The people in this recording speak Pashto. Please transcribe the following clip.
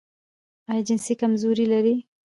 ایا جنسي کمزوري لرئ؟